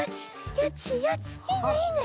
いいねいいね！